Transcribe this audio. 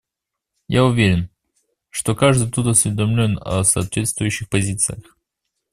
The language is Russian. Я уверен, что каждый тут осведомлен о соответствующих позициях.